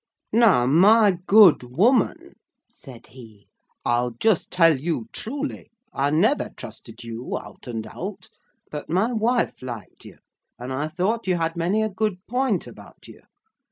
"Now, my good woman," said he, "I'll just tell you truly, I never trusted you out and out; but my wife liked you, and I thought you had many a good point about you.